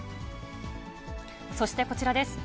そしてこちらです。